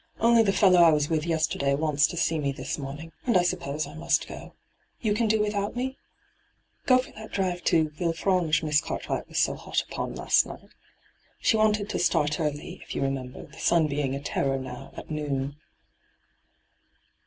* Only the fellow I was with yeaterday wants to see me this morning, and I suppose I must go. You can do without me ? Go for that drive to Villelranche Miss Cartwright was so hot upon last night. She wanted to start early, if you remember, the sun being a terror now at noon.'